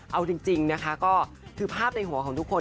เอาจริงนะคะก็คือภาพในหัวของทุกคน